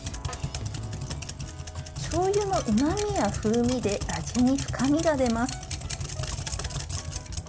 しょうゆのうまみや風味で味に深みが出ます。